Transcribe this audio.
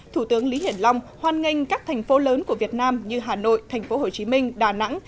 thủ tướng lý hiển long hoan nghênh các thành phố lớn của việt nam như hà nội thành phố hồ chí minh đà nẵng